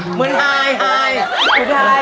เหมือนไท